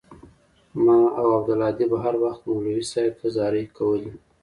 ما او عبدالهادي به هروخت مولوى صاحب ته زارۍ کولې.